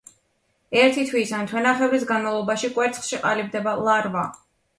ერთი თვის ან თვენახევრის განმავლობაში კვერცხში ყალიბდება ლარვა.